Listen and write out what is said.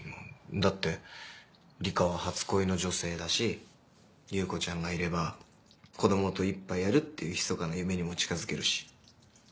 だって梨花は初恋の女性だし優子ちゃんがいれば子供と一杯やるっていうひそかな夢にも近づけるし。